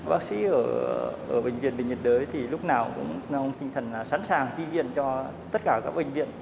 bác sĩ ở bệnh viện bệnh nhiệt đới lúc nào cũng sẵn sàng chi viện cho tất cả các bệnh viện